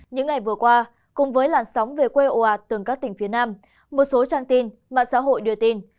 những ngày vừa qua cùng với làn sóng về quê ồ ạt từng các tỉnh phía nam một số trang tin mạng xã hội đưa tin